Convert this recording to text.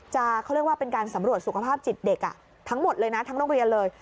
จะเป็นการสำรวจสุขภาพจิตเด็กทั้งหมดเลยทั้งโรงเรียนเลย